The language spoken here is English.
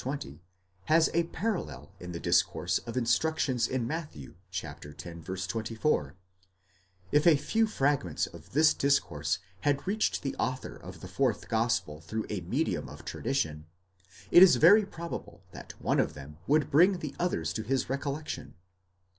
20, has a parallel in the discourse of instructions in Matthew (x. 24); if a few fragments of this discourse had reached the author of the fourth gospel through the medium of tradition, it is very probable that one of them would bring the others to his recollection.